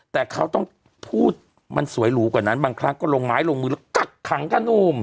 แต่เขาต้องพูดมันสวยหรูกว่านั้นบางครั้งก็ลงไม้ลงมือแล้วกักขังค่ะหนุ่ม